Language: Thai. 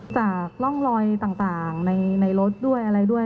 จากร่องรอยต่างในรถด้วยอะไรด้วย